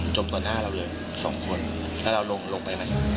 จมต่อหน้าเราเลยสองคนถ้าเราลงลงไปไหน